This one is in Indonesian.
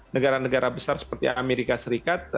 negara negara besar seperti amerika serikat